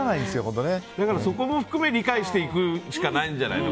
そこも含めて理解しないといけないんじゃないの。